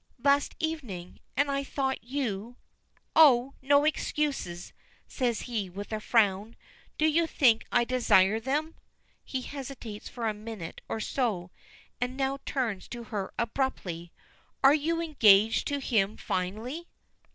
"Last evening and though you " "Oh! no excuses," says he with a frown. "Do you think I desire them?" He hesitates for a minute or so, and now turns to her abruptly. "Are you engaged to him finally?"